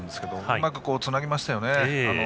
うまくつなぎましたよね。